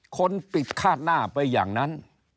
คนปิดคาดหน้าไปอย่างนั้น